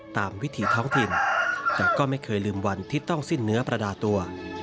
วิถีท้องถิ่นแต่ก็ไม่เคยลืมวันที่ต้องสิ้นเนื้อประดาตัว